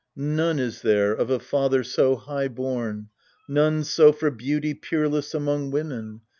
None is there of a father so high born, None so for beauty peerless among women.